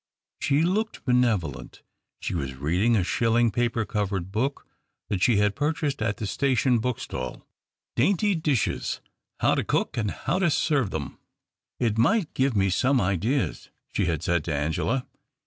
She looked benevolent. She was readino; a shilling paper covered book that she had purchased at the station book stall —" Dainty Dishes : How to Cook and how to Serve them." "It might give me some ideas," she had said to Angela.